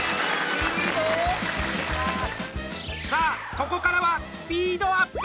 さあ、ここからはスピードアップ！